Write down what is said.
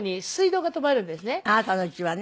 あなたの家はね。